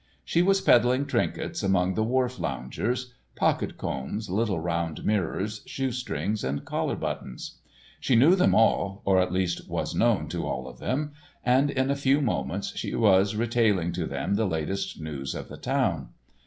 She was peddling trinkets amongst the wharf loungers—pocket combs, little round mirrors, shoestrings and collar buttons. She knew them all, or at least was known to all of them, and in a few moments she was retailing to them the latest news of the town.